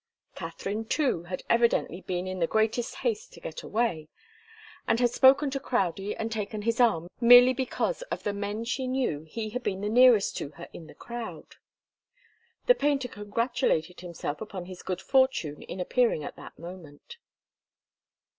Katharine, too, had evidently been in the greatest haste to get away, and had spoken to Crowdie and taken his arm merely because of the men she knew he had been nearest to her in the crowd. The painter congratulated himself upon his good fortune in appearing at that moment.